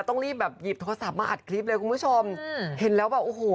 ต้องรีบแบบหยิบโทรศัพท์มาอัดคลิปเลยคุณผู้ชมเห็นแล้วแบบโอ้โห